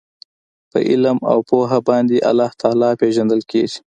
په علم او پوهه باندي الله تعالی پېژندل کیږي